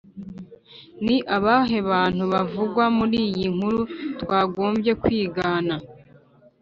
Ni abahe bantu bavugwa muri iyi nkuru twagombye kwigana